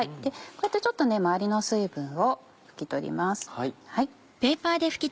こうやってちょっと周りの水分を拭き取ります。